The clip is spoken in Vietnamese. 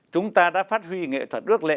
chúng ta đã phát huy nghệ thuật ước lệ